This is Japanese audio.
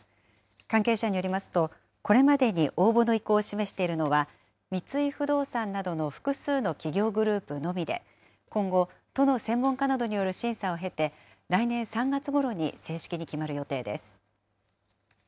関係者によりますと、これまでに応募の意向を示しているのは、三井不動産などの複数の企業グループのみで、今後、都の専門家などによる審査を経て、来年３月ごろに正式に決まる予定です。